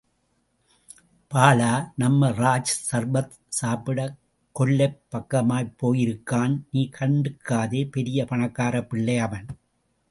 பாலா, நம்ம ராஜ், சர்பத் சாப்பிடக் கொல்லைப் பக்கமாய்ப்போயிருக்கான், நீ கண்டுக்காதே, பெரிய பணக்காரப்பிள்ளை அவன்.